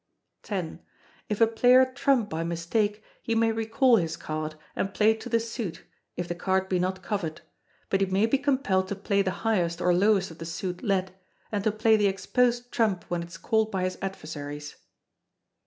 ] x. If a player trump by mistake, he may recall his card, and play to the suit, if the card be not covered; but he may be compelled to play the highest or lowest of the suit led, and to play the exposed trump when it is called by his adversaries.